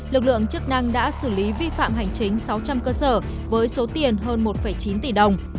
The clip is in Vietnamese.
lực lượng chức năng đã xử lý vi phạm hành chính sáu trăm linh cơ sở với số tiền hơn một chín tỷ đồng